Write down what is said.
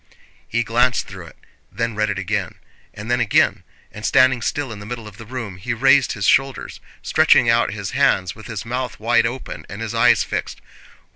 He glanced through it, then read it again, and then again, and standing still in the middle of the room he raised his shoulders, stretching out his hands, with his mouth wide open and his eyes fixed.